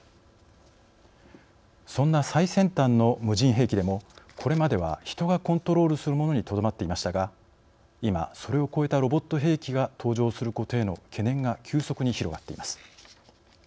そんな最先端の無人兵器でもこれまでは人がコントロールするものにとどまっていましたが今それを超えたロボット兵器が登場することへの懸念が急速に広がっています。